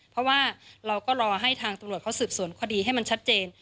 เพราะว่าเราก็รอให้ทางตำรวจเขาสืบสวนคดีให้มันชัดเจน